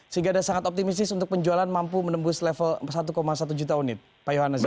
sehingga ada sangat optimis untuk penjualan mampu menembus level satu satu juta unit pak yohanes